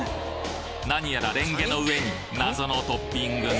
なにやらレンゲの上に謎のトッピングが！